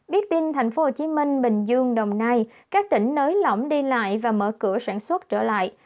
biết tin tp hcm bình dương đồng nai các tỉnh nới lỏng đi lại và mở cửa sản xuất trở lại